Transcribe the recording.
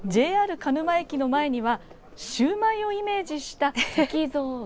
鹿沼駅前の前にはシューマイをイメージした石像が。